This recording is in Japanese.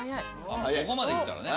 ここまで行ったらね。